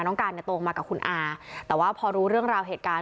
การเนี่ยโตมากับคุณอาแต่ว่าพอรู้เรื่องราวเหตุการณ์